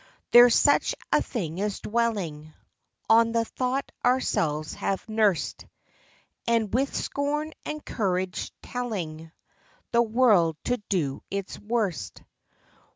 There's such a thing as dwelling On the thought ourselves have nursed, And with scorn and courage telling The world to do its worst.